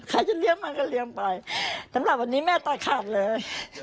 จะเลี้ยงมันก็เลี้ยงไปสำหรับวันนี้แม่ตัดขาดเลย